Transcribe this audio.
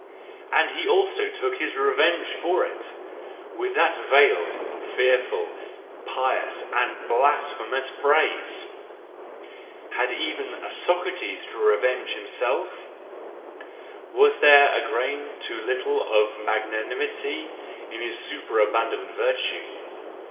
And he also took his revenge for it—with that veiled, fearful, pious, and blasphemous phrase! Had even a Socrates to revenge himself? Was there a grain too little of magnanimity in his superabundant virtue